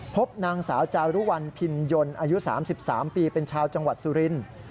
พบนางสาวจารุวัลพินยนต์อายุ๓๓ปีเป็นชาวจังหวัดสุรินทร์